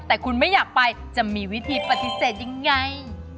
แต่คุณไม่อยากไปจะมีวิธีปฏิเสธยังไง